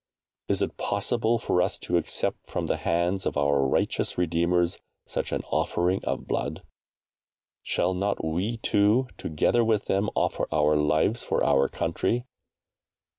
Is it possible for us to accept from the hands of our righteous redeemers such an offering of blood? Shall not we too, together with them, offer our lives for our country?